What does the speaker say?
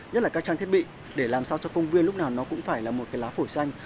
nhất là các trang thiết bị để làm sao cho công viên lúc nào nó cũng phải là một cái lá phổi xanh